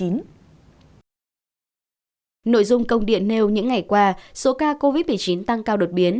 nội dung công điện nêu những ngày qua số ca covid một mươi chín tăng cao đột biến